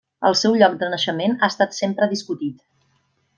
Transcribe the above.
El seu lloc de naixement ha estat sempre discutit.